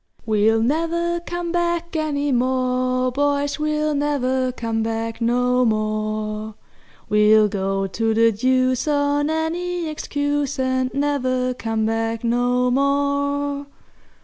"We'll never come back any more, boys, We'll never come back no more; We'll go to the deuce on any excuse, And never come back no more!